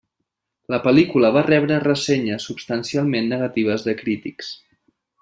La pel·lícula va rebre ressenyes substancialment negatives de crítics.